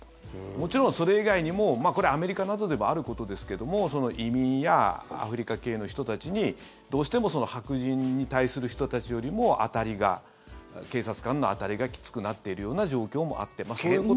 もちろん、それ以外にもこれ、アメリカなどでもあることですけども移民やアフリカ系の人たちにどうしても白人に対する人たちよりも当たりが、警察官の当たりがきつくなっているような状況もあって。